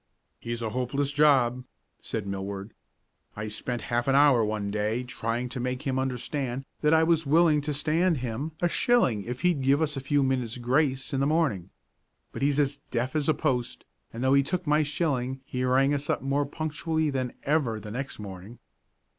"He's a hopeless job," said Millward. "I spent half an hour one day trying to make him understand that I was willing to stand him a shilling if he'd give us a few minutes' grace in the morning. But he's as deaf as a post and though he took my shilling he rang us up more punctually than ever next morning."